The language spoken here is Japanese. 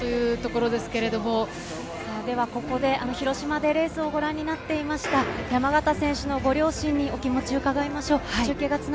ここで広島でレースをご覧になっていました山縣選手のご両親にお気持ちを伺いましょう。